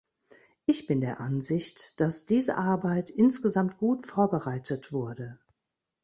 Ich bin der Ansicht, dass diese Arbeit insgesamt gut vorbereitet wurde.